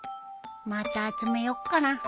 また集めよっかな。